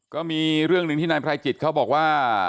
ก็มีเรื่องหนึ่งที่นายไพรจิตเขาบอกว่า